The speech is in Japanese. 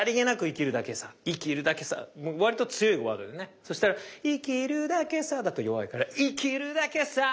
そしたら「生きるだけさ」だと弱いから「生きるだけさ！」。